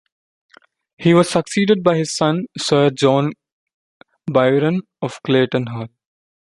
He was succeeded by his son Sir John Byron of Clayton Hall.